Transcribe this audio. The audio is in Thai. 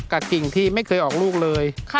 กับสิ่งที่ไม่เคยออกลูกเลย